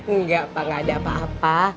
enggak pak gak ada apa apa